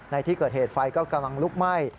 ในที่เกิดเหตุไฟก็กำลังลุกไหม้